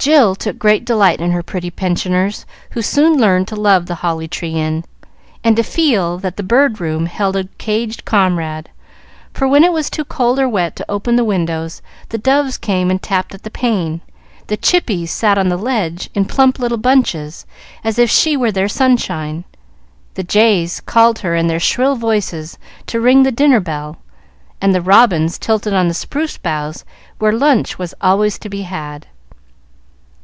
Jill took great delight in her pretty pensioners, who soon learned to love "The Holly Tree Inn," and to feel that the Bird Room held a caged comrade; for, when it was too cold or wet to open the windows, the doves came and tapped at the pane, the chippies sat on the ledge in plump little bunches as if she were their sunshine, the jays called her in their shrill voices to ring the dinner bell, and the robins tilted on the spruce boughs where lunch was always to be had.